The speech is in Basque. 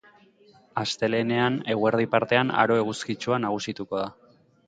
Astelehenean, eguerdi partean aro eguzkitsua nagusituko da.